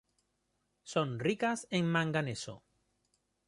Son ricas en manganeso.